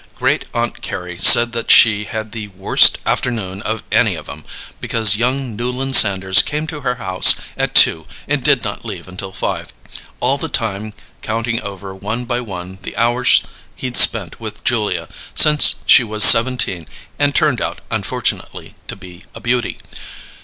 Great Aunt Carrie said that she had the "worst afternoon of any of 'em," because young Newland Sanders came to her house at two and did not leave until five; all the time counting over, one by one, the hours he'd spent with Julia since she was seventeen and turned out, unfortunately, to be a Beauty.